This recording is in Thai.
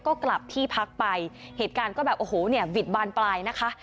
ก็กลับที่พักไปเหตุการณ์ก็แบบโอ้โหเนี่ยบิดบานปลายนะคะ